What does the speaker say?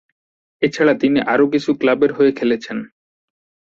এছাড়া তিনি আরও কিছু ক্লাবের হয়ে খেলেছেন।